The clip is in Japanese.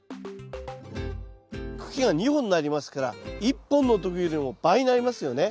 茎が２本になりますから１本の時よりも倍になりますよね？